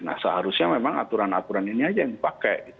nah seharusnya memang aturan aturan ini aja yang dipakai gitu